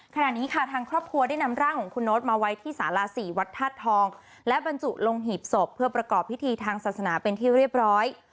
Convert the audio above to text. ขณะนี้ค่ะทางครอบครัวได้นำร่างของคุณโน๊ตมาไว้ที่สารา๔วัดธาตุทองและบรรจุลงหีบศพเพื่อประกอบพิธีทางศาสนาเป็นที่เรียบร้อย